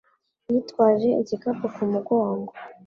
Yitwaje igikapu ku mugongo.